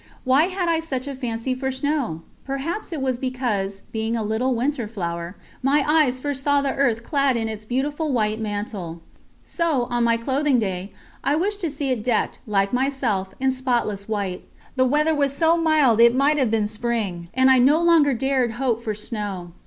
Why had I such a fancy for snow? Perhaps it was because, being a little winter flower, my eyes first saw the earth clad in its beautiful white mantle. So, on my clothing day, I wished to see it decked, like myself, in spotless white. The weather was so mild that it might have been spring, and I no longer dared hope for snow.